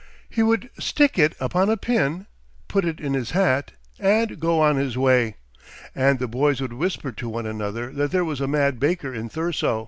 He would stick it upon a pin, put it in his hat, and go on his way; and the boys would whisper to one another that there was a mad baker in Thurso.